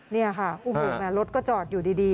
นี่ค่ะโอ้โหแม่รถก็จอดอยู่ดี